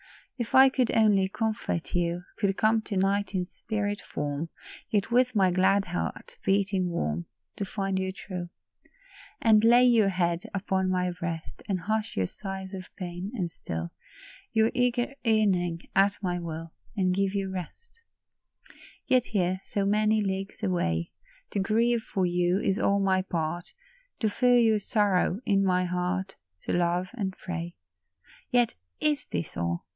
If I could only comfort you, Could come to night in spirit form, Yet with my glad heart beating warm To find you true ; And lay your head upon my breast, And hush your sighs of pain, and still Your eager yearning, at my will, And give you rest. 42 LOVE'S SACRIFICE. 43 Yet here, so many leagues away, To grieve for you is all my part, To feel your sorrow in my heart, To love and pray. Yet is this all